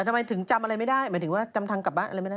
ทำไมถึงจำอะไรไม่ได้หมายถึงว่าจำทางกลับบ้านอะไรไม่ได้